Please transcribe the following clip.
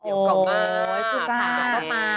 โอ๊ยเต็มกล้องมา